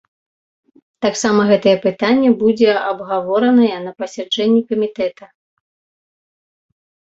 Таксама гэтае пытанне будзе абгаворанае на пасяджэнні камітэта.